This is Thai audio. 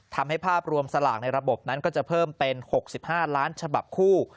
ภาพรวมสลากในระบบนั้นก็จะเพิ่มเป็น๖๕ล้านฉบับคู่